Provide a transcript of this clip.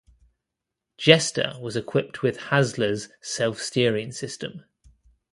"Jester" was equipped with Hasler's self-steering system.